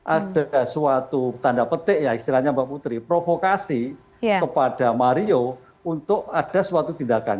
ada suatu tanda petik ya istilahnya mbak putri provokasi kepada mario untuk ada suatu tindakan